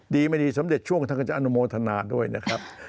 ดีไม่ดีสมเด็จช่วงท่านก็จะอนุโมทนาด้วยนะครับ